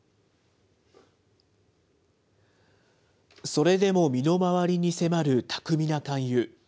それでも身の回りに迫る巧みな勧誘。